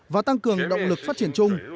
và tăng cường động lực phát triển chung